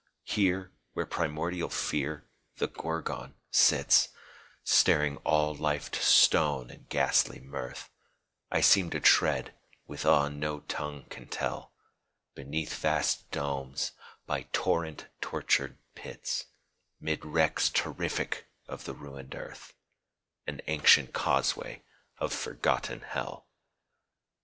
Here where primordial fear, the Gorgon, sits Staring all life to stone in ghastly mirth, I seem to tread, with awe no tongue can tell, Beneath vast domes, by torrent tortured pits, 'Mid wrecks terrific of the ruined Earth, An ancient causeway of forgotten Hell.